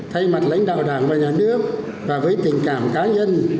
thay mặt lãnh đạo đảng và nhà nước và với tình cảm cá nhân